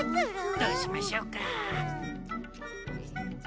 どうしましょうか？